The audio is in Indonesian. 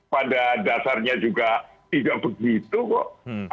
pada dasarnya juga tidak begitu kok